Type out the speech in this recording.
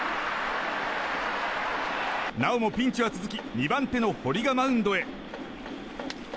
なおもピンチは続き２番手の堀がマウンドへ。